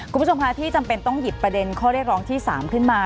คุณผู้ชมคะที่จำเป็นต้องหยิบประเด็นข้อเรียกร้องที่๓ขึ้นมา